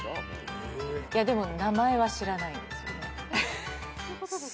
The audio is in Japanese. でも名前は知らないんですよね。